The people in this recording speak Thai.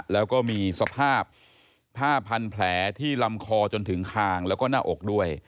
แล้วก็มีสภาพผ้าพันแผลที่ลำคอจนถึงคางแล้วก็หน้าอกด้วย